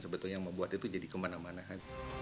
sebetulnya yang membuat itu jadi kemana mana kan